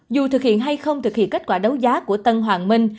dù thực hiện hay không thực hiện kết quả đấu giá của tân hoàng minh